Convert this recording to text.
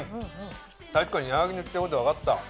確かに矢作の言ってること分かった！